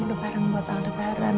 lebaran buat al lebaran